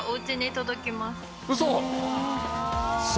うそ？